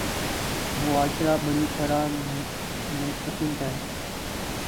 معاشرہ بری طرح منقسم ہے۔